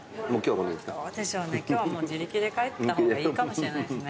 私はね今日はもう自力で帰った方がいいかもしれないですね。